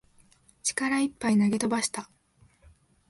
力いっぱい投げ飛ばした